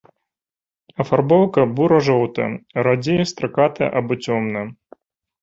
Афарбоўка бура-жоўтая, радзей стракатая або цёмная.